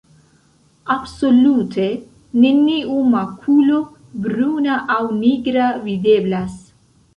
Absolute neniu makulo bruna aŭ nigra videblas.